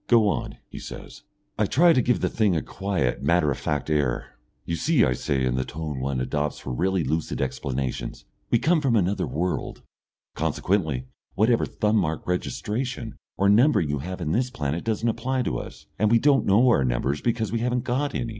"Go on," he says. I try to give the thing a quiet, matter of fact air. "You see," I say, in the tone one adopts for really lucid explanations, "we come from another world. Consequently, whatever thumb mark registration or numbering you have in this planet doesn't apply to us, and we don't know our numbers because we haven't got any.